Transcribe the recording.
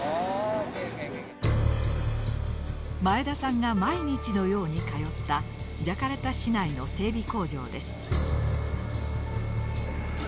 前田さんが毎日のように通ったジャカルタ市内の整備工場です。